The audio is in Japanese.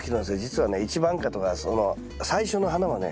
じつはね一番花とかその最初の花はね